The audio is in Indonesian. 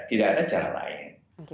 tidak ada cara lain